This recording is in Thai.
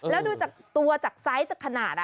แล้วดูจากตัวจากไซส์จากขนาด